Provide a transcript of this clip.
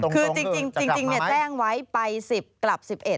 คือจริงแจ้งไว้ไป๑๐กลับ๑๑